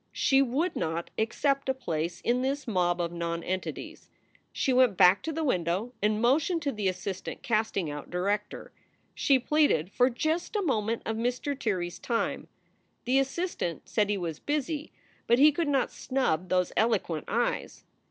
She would not accept a place in this mob of nonentities. She went back to the window and motioned to the assistant cast ing out director. She pleaded for just a moment of Mr. Tirrey s time. The assistant said he was busy ; but he could not snub those eloquent eyes.